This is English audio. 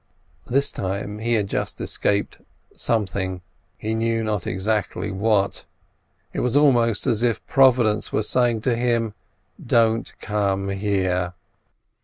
This time he had just escaped something, he knew not exactly what. It was almost as if Providence were saying to him, "Don't come here."